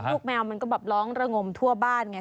แมวมันก็แบบร้องระงมทั่วบ้านไง